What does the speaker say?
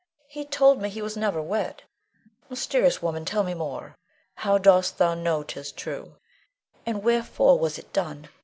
He told me he was never wed. Mysterious woman, tell me more! How dost thou know 'tis true, and wherefore was it done?